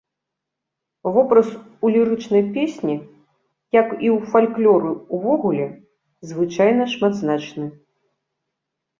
Вобраз у лірычнай песні, як і ў фальклоры ўвогуле, звычайна шматзначны.